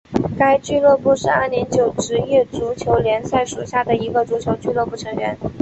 该俱乐部是阿联酋职业足球联赛属下的一个足球俱乐部成员。